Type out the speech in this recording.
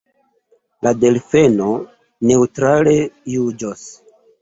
La delfeno neŭtrale juĝos.